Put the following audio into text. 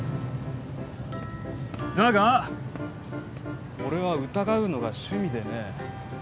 だが俺は疑うのが趣味でね。